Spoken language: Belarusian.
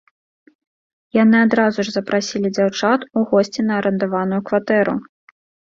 Яны адразу ж запрасілі дзяўчат у госці на арандаваную кватэру.